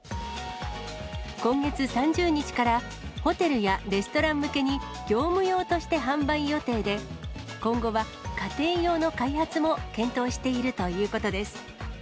今月３０日から、ホテルやレストラン向けに業務用として販売予定で、今後は家庭用の開発も検討しているということです。